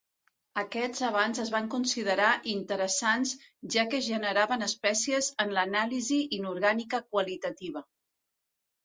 Aquests abans es van considerar interessants ja que es generaven espècies en l'anàlisi inorgànica qualitativa.